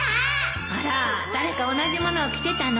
あら誰か同じ物を着てたの？